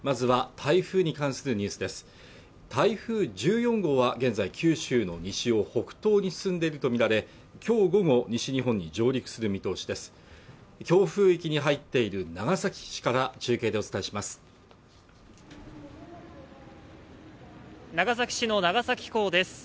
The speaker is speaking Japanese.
台風１４号は現在九州の西を北東に進んでいると見られきょう午後西日本に上陸する見通しです強風域に入っている長崎市から中継でお伝えします長崎市の長崎港です